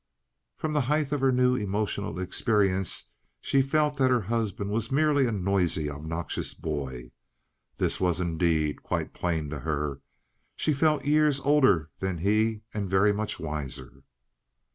From the height of her new emotional experience she felt that her husband was merely a noisy and obnoxious boy. This was, indeed, quite plain to her. She felt years older than he and very much wiser.